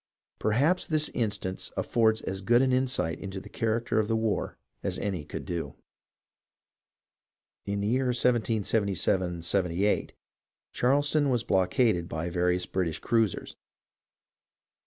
Perhaps this instance affords as good an insight into the character of the war as any could do. In the year 1777 78 Charleston was blockaded by vari ous British cruisers.